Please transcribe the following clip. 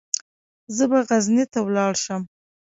زه به غزني ته ولاړ شم.